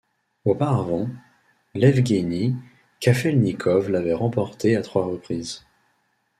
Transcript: Auparavant, Ievgueni Kafelnikov l'avait remporté à trois reprises.